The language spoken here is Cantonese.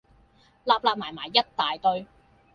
擸擸埋埋一大堆